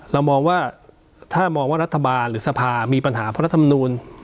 เรามองว่าถ้ามองว่ารัฐบาลหรือสภามีปัญหาเพราะรัฐมนูล